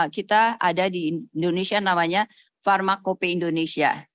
kita ada di indonesia namanya pharmacope indonesia